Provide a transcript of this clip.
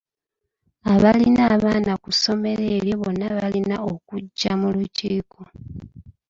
Abalina abaana ku ssomero eryo bonna balina okujja mu lukiiko.